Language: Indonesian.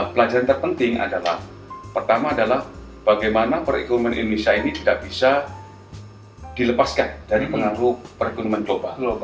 pelajaran terpenting adalah pertama adalah bagaimana perekonomian indonesia ini tidak bisa dilepaskan dari pengaruh perekonomian global